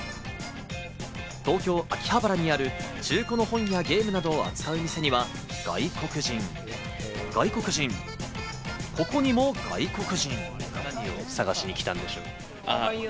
東京・秋葉原にある中古の本やゲームなどを扱う店には外国人、外国人、ここにも外国人。